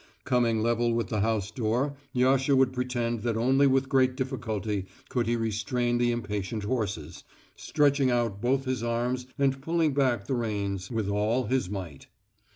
Coming level with the house door Yasha would pretend that only with great difficulty could he restrain the impatient horses, stretching out both his arms and pulling back the reins with all his might.